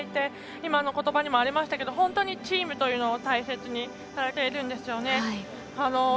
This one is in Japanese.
今の言葉にもありましたけど本当にチームを大切にされているんですね。